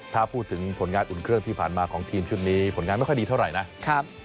ถ้าพูดถึงผลงานอุ่นเครื่องที่ผ่านมาของทีมชุดนี้ผลงานไม่ค่อยดีเท่าไหร่นะ